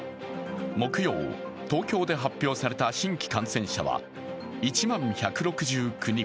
木曜、東京で発表された新規感染者は１万１６９人。